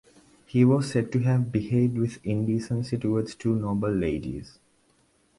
He was said to have behaved with indecency towards two noble ladies.